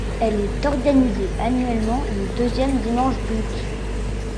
Elle est organisée annuellement le deuxième dimanche d'août.